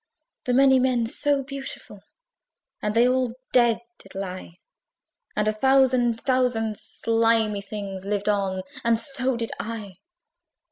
The many men, so beautiful! And they all dead did lie: And a thousand thousand slimy things Lived on; and so did I.